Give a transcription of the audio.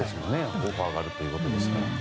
オファーがあるということですから。